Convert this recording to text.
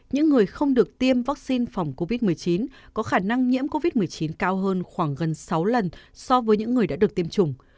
những người không được tiêm vaccine phòng covid một mươi chín có khả năng nhiễm covid một mươi chín cao hơn khoảng gần sáu lần so với những người đã được tiêm chủng